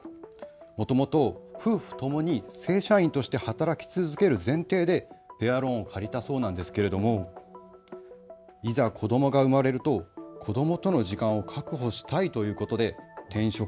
もともと夫婦ともに正社員として働き続ける前提でペアローンを借りたそうなんですけれどもいざ子どもが生まれると子どもとの時間を確保したいということで転職。